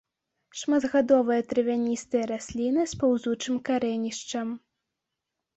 Шматгадовая травяністая расліна з паўзучым карэнішчам.